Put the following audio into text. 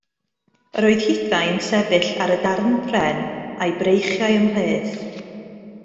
Yr oedd hithau yn sefyll ar y darn pren a'i breichiau ymhleth.